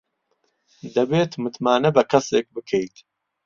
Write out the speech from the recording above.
دەبێت متمانە بە کەسێک بکەیت.